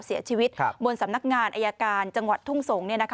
เสียชีวิตบนสำนักงานอายการจังหวัดทุ่งสงศ์